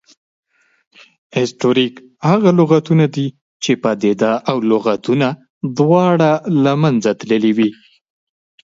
هسټوریک هغه لغتونه دي، چې پدیده او لغتونه دواړه له منځه تللې وي